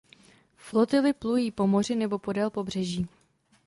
Flotily plují po moři nebo podél pobřeží.